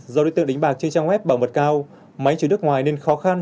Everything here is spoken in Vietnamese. do đối tượng đánh bạc trên trang web bảo mật cao máy chiếu nước ngoài nên khó khăn